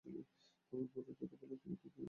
আমার মনের কথা বলার মতো কেউ নেই।